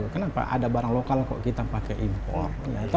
kenapa ada barang lokal kok kita pakai impor